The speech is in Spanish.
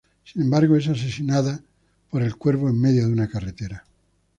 Sin embargo es asesinada por el cuervo en medio de una carretera.